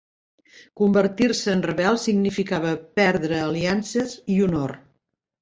Convertir-se en "rebel" significava perdre aliances i honor.